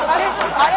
あれ？